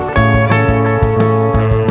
jangan jangan jangan